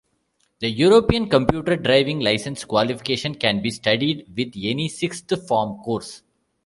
The European Computer Driving Licence qualification can be studied with any sixth form course.